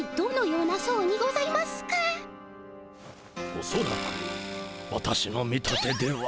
おそらく私の見立てでは。